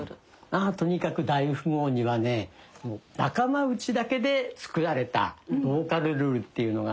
まあとにかく大富豪にはね仲間内だけで作られたローカル・ルールっていうのがね